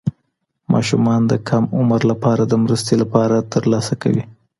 ماشومان د کم عمر لپاره د مرستې لپاره ترلاسه کوي.